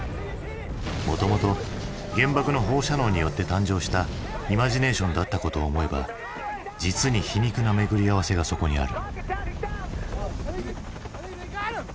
もともと原爆の放射能によって誕生したイマジネーションだったことを思えば実に皮肉な巡り合わせがそこにある。